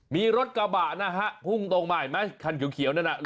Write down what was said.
มีรถกระบะนะฮะพุ่งตรงมาเห็นไหมคันเขียวนั่นน่ะ